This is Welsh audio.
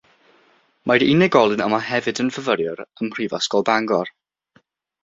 Mae'r unigolyn yma hefyd yn fyfyriwr ym mhrifysgol Bangor